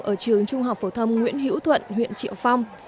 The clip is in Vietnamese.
ở trường trung học phổ thông nguyễn hữu thuận huyện triệu phong